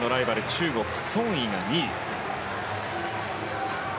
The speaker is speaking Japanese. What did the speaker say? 中国、ソン・イが２位。